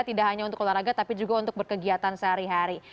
tidak hanya untuk olahraga tapi juga untuk berkegiatan sehari hari